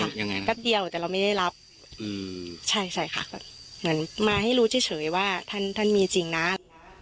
ยังไงแสดดเดียวแต่เราไม่ได้รับอย่างมันมาให้รู้เฉยเฉยว่าท่านท่านมีจริงนะ